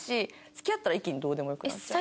付き合ったら一気にどうでもよくなっちゃう。